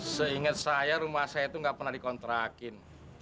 seinget saya rumah saya itu gak pernah di kontrakin